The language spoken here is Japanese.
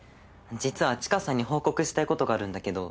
実は知花さんに報告したいことがあるんだけど。